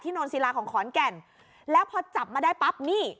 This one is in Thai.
โนนศิลาของขอนแก่นแล้วพอจับมาได้ปั๊บนี่